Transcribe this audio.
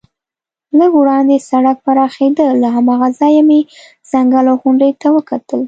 لږ وړاندې سړک پراخېده، له هماغه ځایه مې ځنګل او غونډۍ ته وکتل.